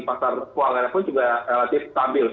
pasar keuangannya pun juga relatif stabil